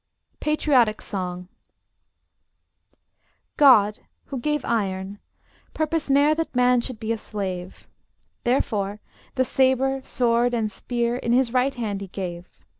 PATRIOTIC SONG God, who gave iron, purposed ne'er That man should be a slave: Therefore the sabre, sword, and spear In his right hand He gave.